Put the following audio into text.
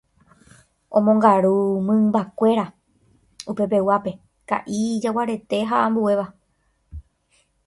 omongaru mymbakuéra upepeguápe, ka'i, jaguarete ha ambuéva.